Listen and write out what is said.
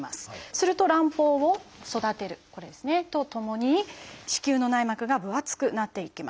すると卵胞を育てるこれですねとともに子宮の内膜が分厚くなっていきます。